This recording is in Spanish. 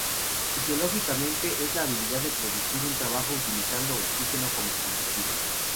Fisiológicamente, es la habilidad de producir un trabajo utilizando oxígeno como combustible.